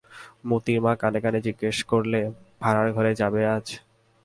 মোতির মা কানে কানে জিজ্ঞাসা করলে, ভাঁড়ারঘরে যাবে আজ?